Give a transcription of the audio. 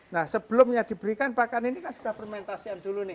nah sebelumnya diberikan pakan ini kan sudah fermentasian dulu nih